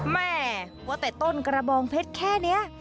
แม่ว่าแต่ต้นกระบองเพชรแค่นี้